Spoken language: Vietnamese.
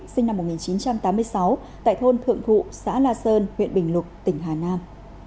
sinh năm một nghìn chín trăm tám mươi sáu tại thôn thượng thụ xã la sơn huyện bình lục tỉnh hà nam